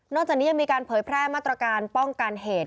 จากนี้ยังมีการเผยแพร่มาตรการป้องกันเหตุ